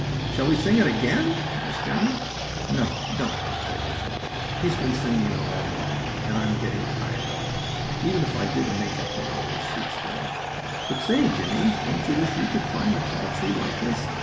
"Shall we sing it again?" asked Johnnie. "No, don't!" begged his brother. "He's been singing it all the morning, and I'm getting tired of it, even if I did make up one verse," he explained. "But say, Jimmie, don't you wish you could climb a tall tree, like this?"